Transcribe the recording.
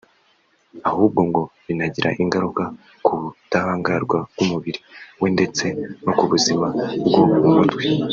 ahubwo ngo binagira ingaruka ku budahangarwa bw’umubiri we ndetse no ku buzima bwo mu mutwe